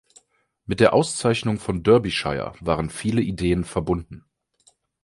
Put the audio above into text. Mit der Auszeichnung von Derbyshire waren viele Ideen verbunden.